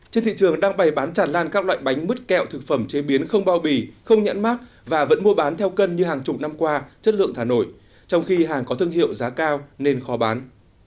trên thị trường đang bày bán tràn lan các loại bánh mứt kẹo thực phẩm chế biến không bao bì không nhãn mát và vẫn mua bán theo cân như hàng chục năm qua chất lượng thà nổi trong khi hàng có thương hiệu giá cao nên khó bán